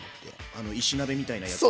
あの石鍋みたいなやつ？